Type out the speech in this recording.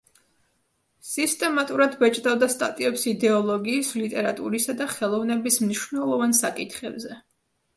სისტემატურად ბეჭდავდა სტატიებს იდეოლოგიის, ლიტერატურისა და ხელოვნების მნიშვნელოვან საკითხებზე.